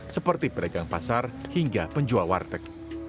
seperti pedagang pasar hingga penjual warteg